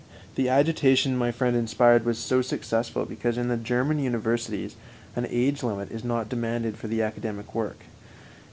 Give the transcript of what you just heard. The agitation my friend inspired was so successful because in the German Universities an age limit is not demanded for academic work.